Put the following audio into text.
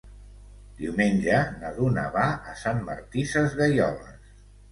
Diumenge na Duna va a Sant Martí Sesgueioles.